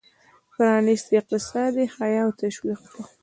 پرانیستی اقتصاد یې حیه او تشویق کړ.